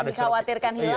dikhawatirkan hilang tidak